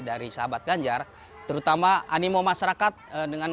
dari sahabat ganjar terutama animo masyarakat dengan